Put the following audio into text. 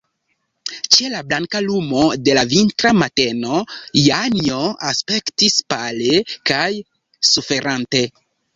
Ĉe la blanka lumo de la vintra mateno Janjo aspektis pale kaj suferante.